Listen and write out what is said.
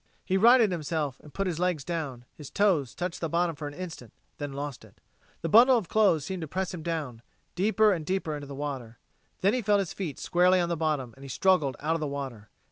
He righted himself and put his legs down; his toes touched the bottom for an instant, then lost it. The bundle of clothes seemed to press him down, deeper and deeper into the water. Then he felt his feet squarely on the bottom, and he struggled out of the water.